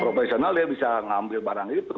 ya profesional ya bisa ngambil barang itu